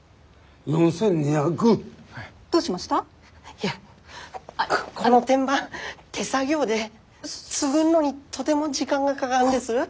いやこの天板手作業で作んのにとても時間がかがんです。